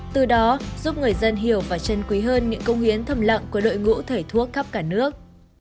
từ đó giúp người dân hiểu và chân quý hơn những công hiến thầm lặng của đội ngũ thầy thuốc khắp cả nước